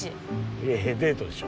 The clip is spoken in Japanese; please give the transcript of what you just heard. いやいやデートでしょ。